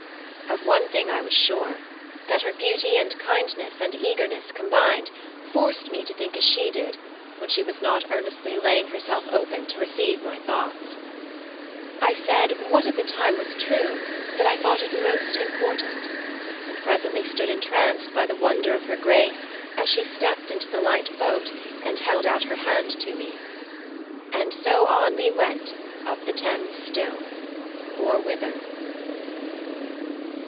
Of one thing I was sure, that her beauty and kindness and eagerness combined, forced me to think as she did, when she was not earnestly laying herself open to receive my thoughts. I said, what at the time was true, that I thought it most important; and presently stood entranced by the wonder of her grace as she stepped into the light boat, and held out her hand to me. And so on we went up the Thames still or whither?